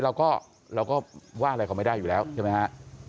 เราก็ว่าอะไรเขาไม่ได้อยู่แล้วใช่ไหมครับ